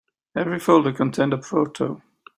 Every folder contained a photo.